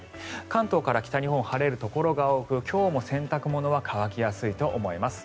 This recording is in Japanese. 関東から北日本晴れるところが多く今日も洗濯物は乾きやすいと思います。